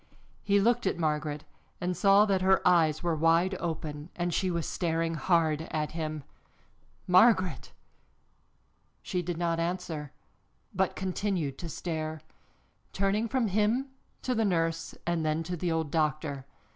He looked at Margaret and saw that her eyes were wide open and she was staring hard at him. "Margaret!" She did not answer, but continued to stare, turning from him to the nurse and then to the old doctor.